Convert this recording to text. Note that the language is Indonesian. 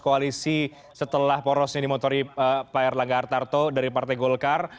koalisi setelah porosnya dimotori pak erlangga hartarto dari partai golkar